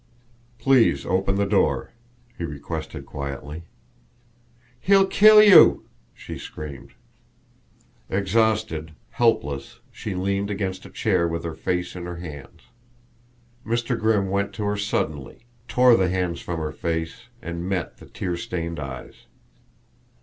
"Please open the door," he requested quietly. "He'll kill you!" she screamed. Exhausted, helpless, she leaned against a chair with her face in her hands. Mr. Grimm went to her suddenly, tore the hands from her face, and met the tear stained eyes.